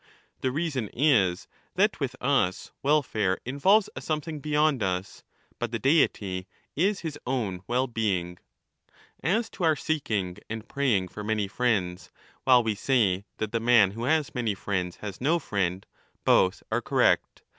The reason is, that \vith jjs welfare involves a something beyond us, but the deity is his own well being. As to our seeking and praying for many friends, while we ao say that the man who has many friends has no friend, both are correct.